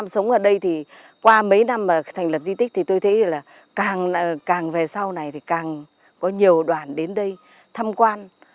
sống ở đây thì qua mấy năm mà thành lập di tích thì tôi thấy là càng về sau này thì càng có nhiều đoàn đến đây thăm quan